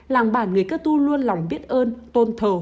làng bản người cơ tu luôn lòng biết ơn tôn thờ